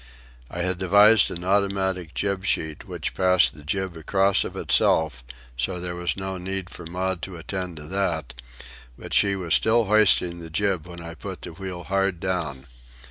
I had devised an automatic jib sheet which passed the jib across of itself, so there was no need for Maud to attend to that; but she was still hoisting the jib when I put the wheel hard down.